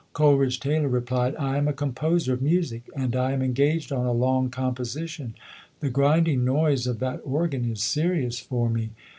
Coleridge Taylor replied, "I am a composer of music, and I am engaged on a long com position. The grinding noise of that organ is serious for me".